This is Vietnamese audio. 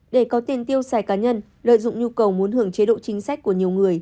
để có tiền tiêu xài cá nhân lợi dụng nhu cầu muốn hưởng chế độ chính sách của nhiều người